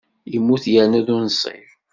Immut yernu d unṣib.